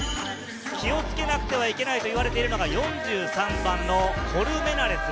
気をつけなくてはいけないと言われているのが４３番のコルメナレス。